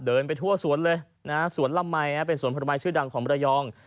เดินไปทั่วสวนเลยนะฮะสวนลำไหมเป็นสวนผลไม้ชื่อดังของระยอง